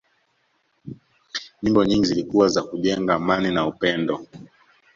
nyimbo nyingi zilikuwa za kujenga amani na upendo